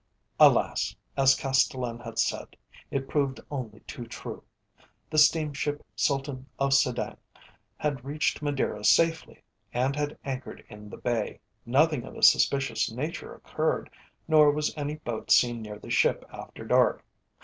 Alas! as Castellan had said, it proved only too true. The steamship Sultan of Sedang had reached Madeira safely, and had anchored in the Bay. Nothing of a suspicious nature occurred, nor was any boat seen near the ship after dark.